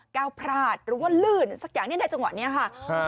ก้าวพลาดหรือว่าลื่นสักอย่างเนี่ยในจังหวะนี้ค่ะ